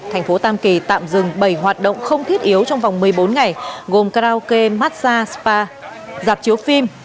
thành phố tam kỳ tạm dừng bảy hoạt động không thiết yếu trong vòng một mươi bốn ngày gồm karaoke massage spa dạp chiếu phim